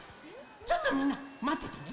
ちょっとみんなまっててね。